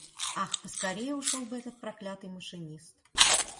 Ах, поскорее ушел бы этот проклятый машинист!